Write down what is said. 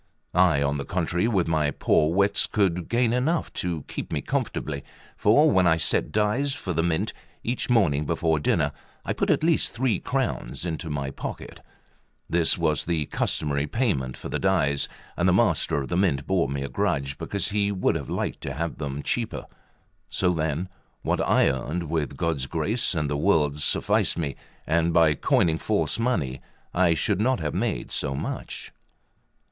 I, on the contrary, with my poor wits could gain enough to keep me comfortably; for when I set dies for the Mint, each morning before dinner I put at least three crowns into my pocket; this was the customary payment for the dies, and the Master of the Mint bore me a grudge, because he would have liked to have them cheaper; so then, what I earned with God's grace and the world's, sufficed me, and by coining false money I should not have made so much.